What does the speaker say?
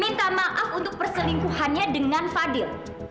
minta maaf untuk perselingkuhannya dengan fadil